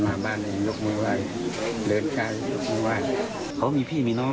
พ่อเเหลี่ยวไม่ะครับลูกชายก่อนมีพี่มีน้อง